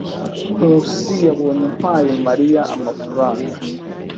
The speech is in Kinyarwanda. Nkusi yabonye mpaye Mariya amafaranga.